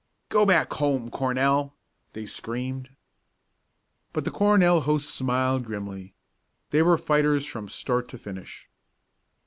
"Go back home, Cornell!" they screamed. But the Cornell host smiled grimly. They were fighters from start to finish.